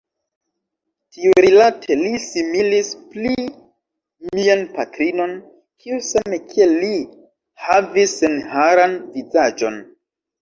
Tiurilate li similis pli mian patrinon, kiu same kiel li, havis senharan vizaĝon.